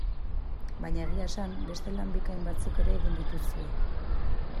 Baina egia esan, beste lan bikain batzuk ere egin dituzue.